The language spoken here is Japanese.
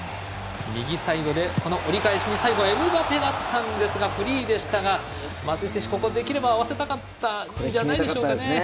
右サイド、折り返しに最後はエムバペだったんですがフリーでしたが松井選手、ここはできれば合わせたかったんじゃないでしょうかね。